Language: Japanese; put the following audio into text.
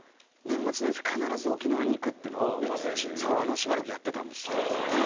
しばらくやってたんですよ。